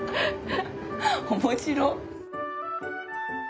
面白っ！